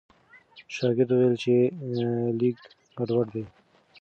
شاګرد وویل چې لیک ګډوډ دی.